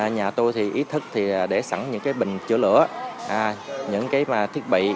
nhà tôi thì ý thức thì để sẵn những cái bình chữa lửa những cái thiết bị